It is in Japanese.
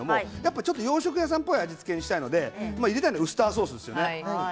洋食屋さんっぽい味付けにしたいので入れたいのはウスターソースですよね。